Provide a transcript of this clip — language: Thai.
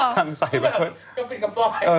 สร้างใส่แบบมันก็เป็นคำบร้อย